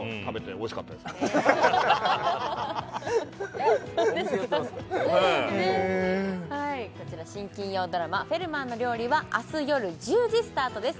お店やってますからねこちら新・金曜ドラマ「フェルマーの料理」は明日夜１０時スタートです